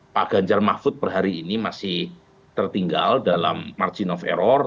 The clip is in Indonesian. pak ganjar mahfud per hari ini masih tertinggal dalam margin of error